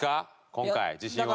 今回自信は。